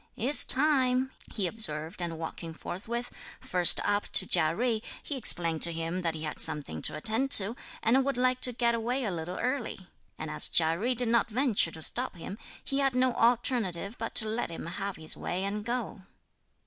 "It's time," he observed and walking forthwith, first up to Chia Jui, he explained to him that he had something to attend to and would like to get away a little early; and as Chia Jui did not venture to stop him, he had no alternative but to let him have his way and go.